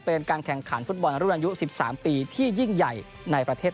เพื่อหาตัวแทนแต่ละภาคชิงชัยในรอบชิงแชมป์ประเทศ